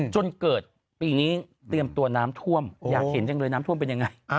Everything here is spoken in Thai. จนเกิดปีนี้เตรียมตัวน้ำท่วมอยากเห็นจังเลยน้ำท่วมเป็นยังไง